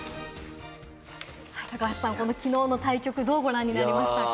高橋さん、きのうの対局、どうご覧になりましたか？